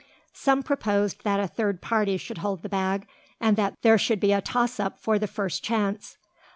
Some proposed that a third party should hold the bag, and that there should be a toss up for the first chance.